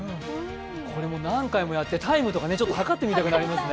これも何回もやってタイムとか計ってみたくなりますね。